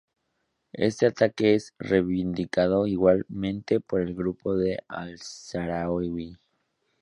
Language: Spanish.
Este ataque es reivindicado igualmente por el grupo de Al-Sahraoui.